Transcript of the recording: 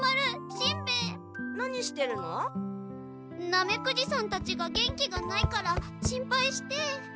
ナメクジさんたちが元気がないから心配して。